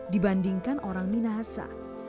dibandingkan orang minahasa